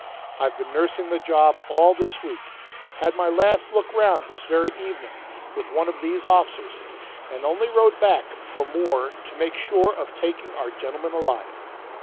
I've been nursing the job all this week; had my last look round this very evening, with one of these officers, and only rode back for more to make sure of taking our gentlemen alive.